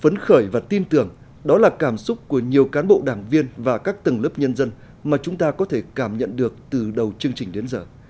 vấn khởi và tin tưởng đó là cảm xúc của nhiều cán bộ đảng viên và các tầng lớp nhân dân mà chúng ta có thể cảm nhận được từ đầu chương trình đến giờ